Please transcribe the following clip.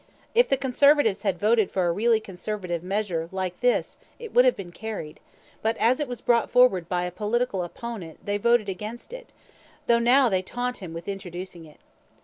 If the Conservatives had voted for a really Conservative measure like this it would have been carried, but as it was brought forward by a political opponent they voted against it, though they now taunt him with introducing it.